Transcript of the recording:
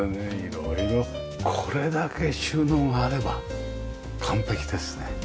色々これだけ収納があれば完璧ですね。